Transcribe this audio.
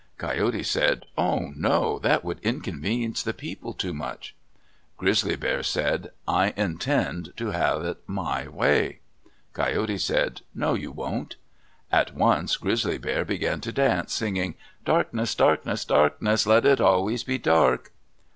Coyote said, "Oh, no! That would inconvenience the people too much." Grizzly Bear said, "I intend to have it my way." Coyote said, "No, you can't!" At once Grizzly Bear began to dance, singing, Darkness! darkness! darkness! Let it always be dark!